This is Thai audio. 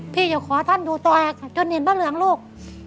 พี่อย่าขอท่านดูตัวแอจัดให้ได้นี่บ้าเหลืองลูก